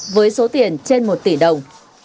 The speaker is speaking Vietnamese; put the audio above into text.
với số tiền trên một tỷ đồng